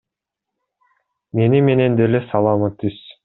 Мени менен деле саламы түз.